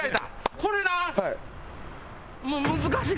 これな。